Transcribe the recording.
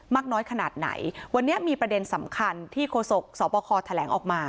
มากน้อยขนาดไหนวันนี้มีประเด็นสำคัญที่โฆษกสบคแถลงออกมา